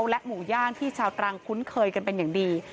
และหมูย่างที่ชาวตรังคุ้นเคยกันเป็นอย่างดี